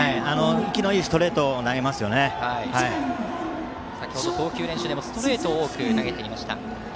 生きのいいストレートを先程、投球練習でもストレートを多く投げていました。